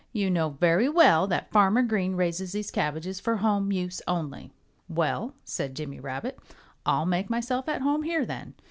"You know very well that Farmer Green raises these cabbages for home use only." "Well," said Jimmy Rabbit, "I'll make myself at home here, then."